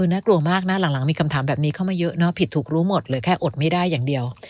น่ากลัวมากนะหลังมีคำถามแบบนี้เข้ามาเยอะเนาะผิดถูกรู้หมดเหลือแค่อดไม่ได้อย่างเดียว